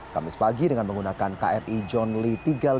kamis pagi dengan menggunakan kri john lee tiga ratus delapan puluh